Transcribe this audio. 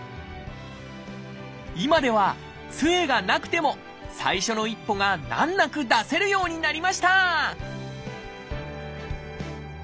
今ではつえがなくても最初の一歩が難なく出せるようになりました！